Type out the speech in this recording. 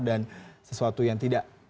dan sesuatu yang tidak